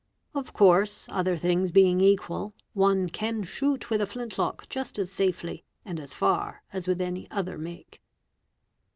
Of course, other things being equal, one can shoot with a flint lock just as safely and as far as with any other make.